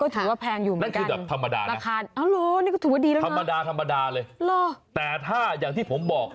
ก็ถือว่าแพงอยู่เหมือนกันราคาธรรมดาเลยแต่ถ้าอย่างที่ผมบอก